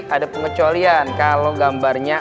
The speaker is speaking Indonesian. ada pengecualian kalau gambarnya